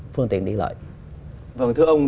phương tiện đi lợi vâng thưa ông